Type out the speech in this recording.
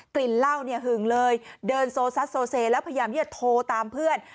กลิ่นเหล้าเนี่ยหึงเลยเดินโซซัดโซเซแล้วพยายามที่จะโทรตามเพื่อน